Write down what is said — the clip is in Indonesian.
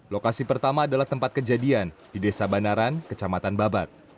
lokasi pertama adalah tempat kejadian di desa banaran kecamatan babat